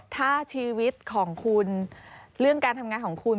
ถ้าชีวิตของคุณเรื่องการทำงานของคุณ